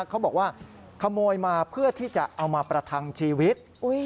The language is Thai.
เขาบอกว่าขโมยมาเพื่อที่จะเอามาประทังชีวิต